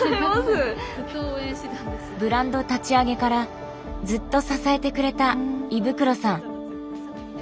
ブランド立ち上げからずっと支えてくれた衣袋さん。